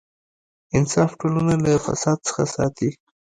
انصاف ټولنه له فساد څخه ساتي.